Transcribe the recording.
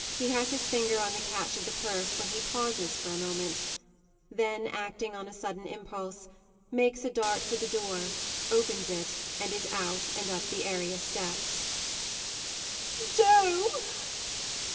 [_He has his finger on the catch of the purse when he pauses for a moment then acting on a sudden impulse, makes a dart for the door, opens it, and is out, and up the area steps._ MARY. [With a despairing cry.] Joe!